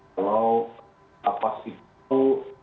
kalau apa sih itu